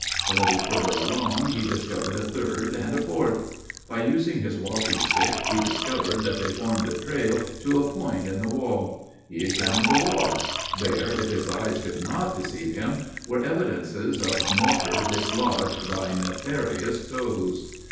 A little further along he discovered a third and a fourth. By using his walking stick he discovered that they formed a trail to a point in the wall. He examined the wall. There, if his eyes did not deceive him, were evidences of mortar dislodged by nefarious toes.